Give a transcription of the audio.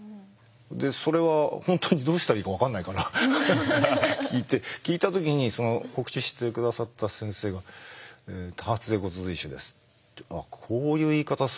でそれは本当にどうしたらいいか分かんないから聞いて聞いた時にその告知して下さった先生がってまず考えちゃう。